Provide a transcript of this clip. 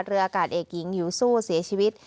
เรืออากาศเอกหญิงยูซู่เสียชีวิต